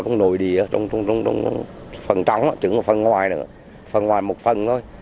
nó nổi đi ở trong phần trắng chứ không phải phần ngoài nữa phần ngoài một phần thôi